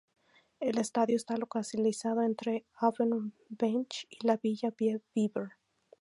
El estadio está localizado entre Offenbach y la villa Bieber.